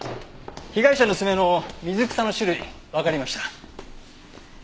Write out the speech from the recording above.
被害者の爪の水草の種類わかりました。